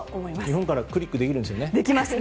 日本からクリックできるんですよね。